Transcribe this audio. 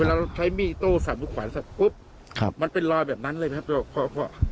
เวลาเราใช้มี่โต้สับลูกขวานสับปุ๊บมันเป็นรอยแบบนั้นเลยนะครับ